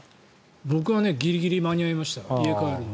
僕はギリギリ間に合いました。